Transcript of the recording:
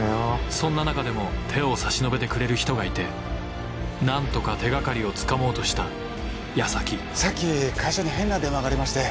そんな中でも手を差し伸べてくれる人がいて何とか手掛かりをつかもうとした矢先さっき会社に変な電話がありまして。